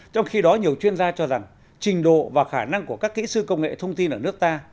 trong khi đó nhiều chuyên gia cho rằng trình độ và khả năng của các kỹ sư công nghệ thông tin ở nước ta